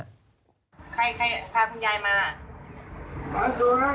ใครพาคุณยายมา